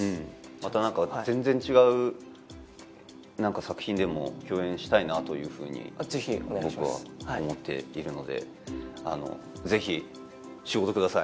また何か全然違う何か作品でも共演したいなと僕は思っているのでぜひ仕事ください